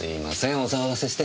お騒がせして。